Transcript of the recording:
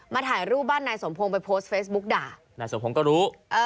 ถ่ายรูปบ้านนายสมพงศ์ไปโพสต์เฟซบุ๊กด่านายสมพงศ์ก็รู้